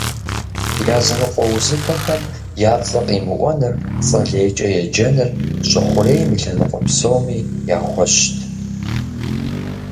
Языныкъуэ узыфэхэм я цӏэ къимыӏуэныр, цӏэ лейкӏэ еджэныр щӏы хъурейм и лъэныкъуэ псоми яхуэщт.